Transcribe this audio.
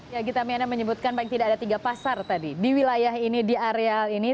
ya gita miana menyebutkan paling tidak ada tiga pasar tadi di wilayah ini di area ini